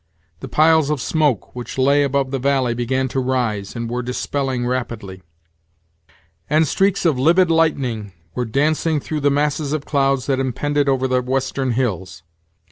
The piles of smoke which lay above the valley began to rise, and were dispelling rapidly; and streaks of livid lightning were dancing through the masses of clouds that impended over the western hills.